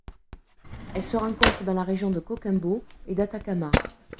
Elle se rencontre dans les régions de Coquimbo et d'Atacama.